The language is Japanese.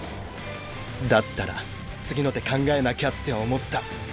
だったら次の手考えなきゃって思った。